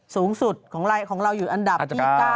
สูงสุดของเราอยู่อันดับที่๙